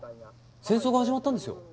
戦争が始まったんですよ。